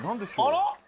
あら？